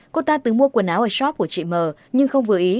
cô ta từng mua quần áo ở shop của chị m nhưng không vừa ý